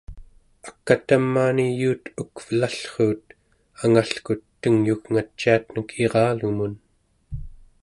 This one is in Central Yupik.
ak'a tamaani yuut ukvelallruut angalkut tengyugngaciatnek iralumun